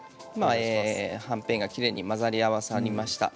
はんぺんがきれいに混ざり合わさりました。